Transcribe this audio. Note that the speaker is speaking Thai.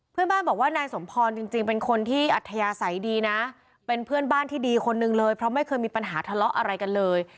เพื่อนบ้านบอกว่านายสมพรจริงเป็นคนที่อัธยาศัยดีนะเป็นเพื่อนบ้านที่ดีคนนึงเลยเพราะไม่เคยมีปัญหาทะเลาะอะไรกันเลย